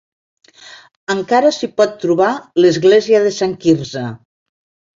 Encara s'hi pot trobar l'església de Sant Quirze.